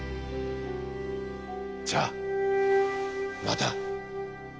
じゃあまた。